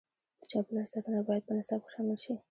د چاپیریال ساتنه باید په نصاب کې شامل شي.